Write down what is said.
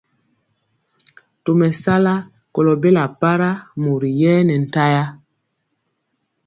Tomesala kolo bela para mori yɛɛ nɛ ntaya.